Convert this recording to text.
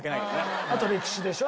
あと歴史でしょ。